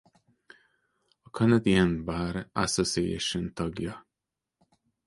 A Canadian Bar Association tagja.